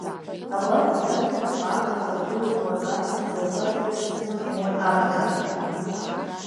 Агәарабжьара наҟ-ааҟ иахагылоу алакациа ҵлақәа дрыҵсны днеиуан Аԥҭа.